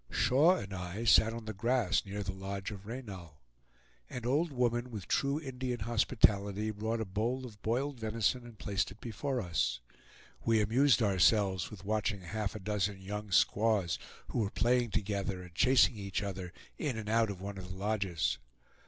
Shaw and I sat on the grass near the lodge of Reynal. An old woman, with true Indian hospitality, brought a bowl of boiled venison and placed it before us. We amused ourselves with watching half a dozen young squaws who were playing together and chasing each other in and out of one of the lodges.